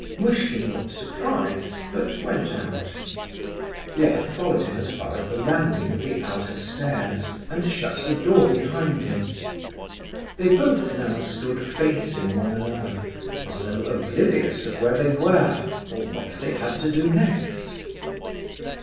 Muishkin looked surprised, but went out. The other followed him as far as the landing of the outer stairs, and shut the door behind him. They both now stood facing one another, as though oblivious of where they were, or what they had to do next.